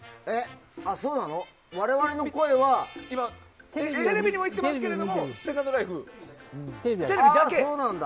我々の声はテレビにもいっていますけどテレビだけ？